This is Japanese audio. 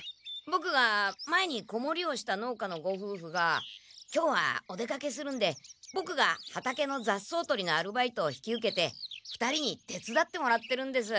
ボクが前に子守をした農家のごふうふが今日はお出かけするんでボクが畑の雑草取りのアルバイトを引き受けて２人に手伝ってもらってるんです。